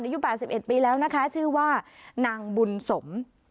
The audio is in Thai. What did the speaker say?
อายุ๘๑ปีแล้วนะคะชื่อว่านางบุญสม